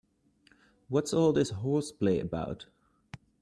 What's all this horseplay about?